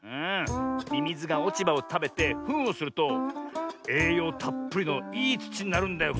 ミミズがおちばをたべてフンをするとえいようたっぷりのいいつちになるんだよ